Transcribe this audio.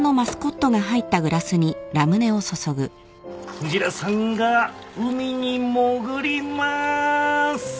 クジラさんが海に潜ります！